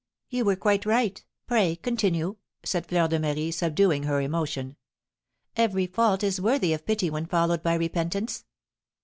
"You were quite right. Pray continue," said Fleur de Marie, subduing her emotion. "Every fault is worthy of pity when followed by repentance."